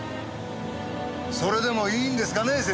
それでもいいんですかね？